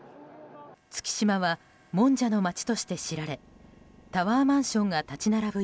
月島はもんじゃの街として知られタワーマンションが立ち並ぶ